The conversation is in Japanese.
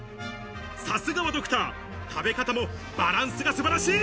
さすがはドクター、食べ方もバランスが素晴らしい。